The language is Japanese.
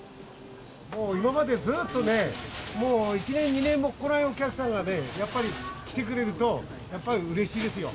もう今までずっとね、もう１年、２年も来ないお客さんがね、やっぱり来てくれると、やっぱりうれしいですよ。